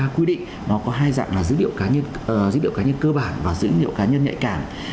quy định có hai dạng là dữ liệu cá nhân cơ bản và dữ liệu cá nhân nhạy cảm